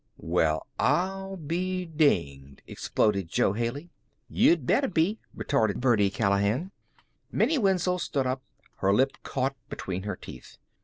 "Well I'll be dinged!" exploded Jo Haley. "Yuh'd better be!" retorted Birdie Callahan. Minnie Wenzel stood up, her lip caught between her teeth.